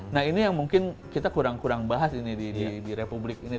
nah ini yang mungkin kita kurang kurang bahas ini di republik ini